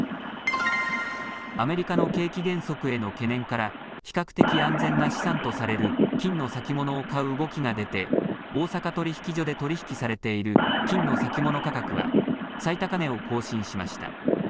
アメリカの景気減速への懸念から、比較的安全な資産とされる金の先物を買う動きが出て、大阪取引所で取り引きされている金の先物価格は、最高値を更新しました。